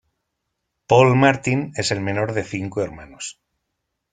Paul Martin es el menor de cinco hermanos.